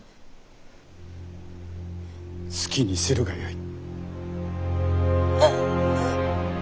好きにするがよい。